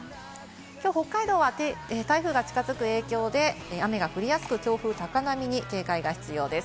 きょう北海道は台風が近づく影響で雨が降りやすく、強風、高波に警戒が必要です。